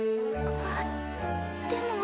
あっでも。